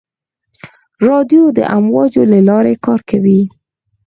رادیو د امواجو له لارې کار کوي.